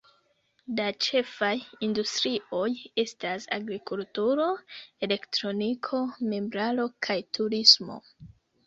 La ĉefaj industrioj estas agrikulturo, elektroniko, meblaro kaj turismo.